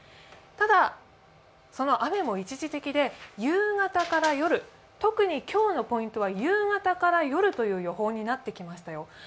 ただ、その雨も一時的で夕方から夜特に今日のポイントは夕方から夜という予報になってきました。